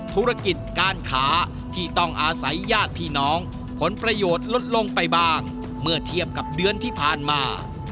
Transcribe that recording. ธุรกิจการค้าที่ต้องอาศัยญาติพี่น้องผลประโยชน์ลดลงไปบ้างเมื่อเทียบกับเดือนที่ผ่านมา